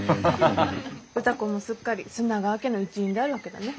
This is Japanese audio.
歌子もすっかり砂川家の一員であるわけだね。